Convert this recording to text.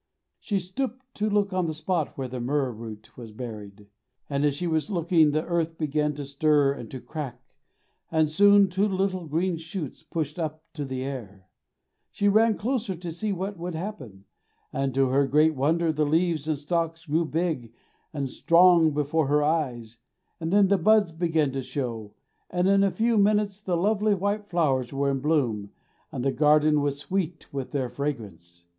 She stooped to look on the spot where the myrrh root was buried, and as she was looking, the earth began to stir and to crack, and soon two little green shoots pushed up to the air. She bent closer to see what would happen, and to her great wonder the leaves and stalks grew big and strong before her eyes, and then the buds began to show, and in a few minutes the lovely white flowers were in bloom and the garden was sweet with their fragrance.